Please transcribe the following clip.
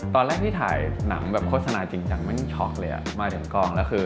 ตอนแรกที่ถ่ายหนังแบบโฆษณาจริงจังไม่ช็อกเลยอ่ะมาถึงกองแล้วคือ